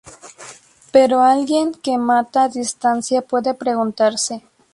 Pero alguien que mata a distancia puede preguntarse.